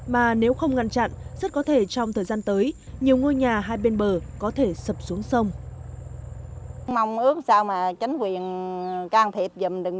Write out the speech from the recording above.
mà nếu không ngăn chặn rất có thể trong thời gian tới nhiều ngôi nhà hai bên bờ có thể sập xuống sông